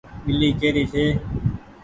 ٻلي ڪي ري ڇي۔